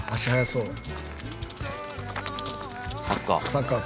サッカー。